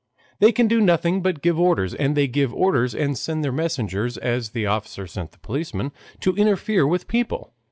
They can do nothing but give orders, and they give orders and send their messengers, as the officer sent the policeman, to interfere with people.